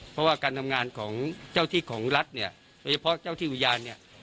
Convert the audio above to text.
เพราะว่าการทำงานของเจ้าที่ของรัฐเนี่ยโดยเฉพาะเจ้าที่อุทยานเนี่ย